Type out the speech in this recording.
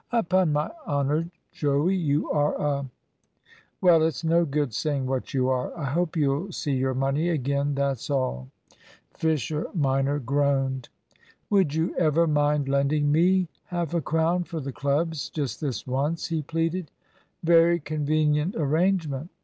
"Upon my honour, Joey, you are a Well, it's no good saying what you are. I hope you'll see your money again, that's all." Fisher minor groaned. "Would you ever mind lending me half a crown for the clubs, just this once?" he pleaded. "Very convenient arrangement.